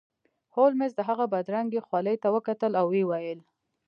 هولمز د هغه بدرنګې خولې ته وکتل او ویې ویل